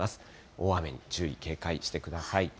大雨に注意、警戒してください。